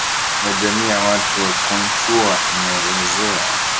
wa jamii ya watu wa Quechua anaeleza